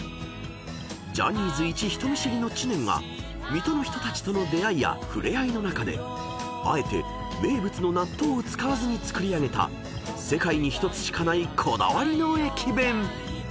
［ジャニーズいち人見知りの知念が水戸の人たちとの出会いや触れ合いの中であえて名物の納豆を使わずに作り上げた世界に一つしかないこだわりの駅弁］